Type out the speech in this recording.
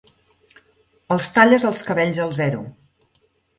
Els talles els cabells al zero.